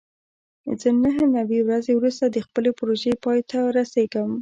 زه نهه نوي ورځې وروسته د خپلې پروژې پای ته رسېږم.